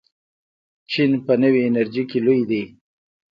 چین په نوې انرژۍ کې لوی دی.